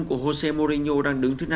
của jose mourinho đang đứng thứ năm